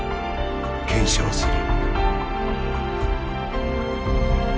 検証する。